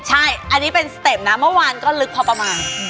ใช่อันนี้เป็นสเต็ปนะเมื่อวานก็ลึกพอประมาณ